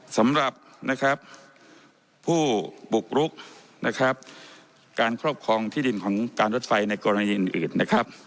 สำหรับผู้ปลุกรุกการครอบครองที่ดินของการทดไฟในกรณีอื่น